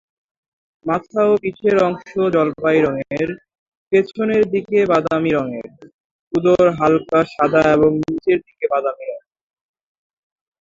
মাথা ও পিঠের অংশ জলপাই রঙের, পিছনের দিকে বাদামী রঙের, উদর হালকা সাদা এবং নিচের দিকে বাদামী রঙের।